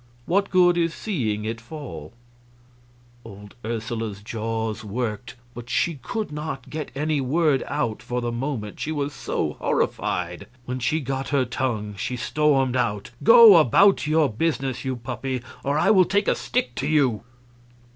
What good is seeing it fall?" Old Ursula's jaws worked, but she could not get any word out for the moment, she was so horrified. When she got her tongue, she stormed out, "Go about your business, you puppy, or I will take a stick to you!"